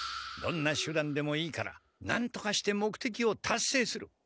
どんな手段でもいいからなんとかして目的をたっせいする。